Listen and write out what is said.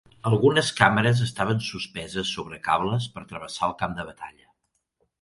Algunes càmeres estaven suspeses sobre cables per travessar el camp de batalla.